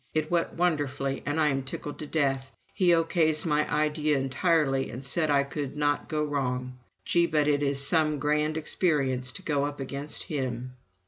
It went wonderfully and I am tickled to death. He O.K.s my idea entirely and said I could not go wrong. ... Gee, but it is some grand experience to go up against him."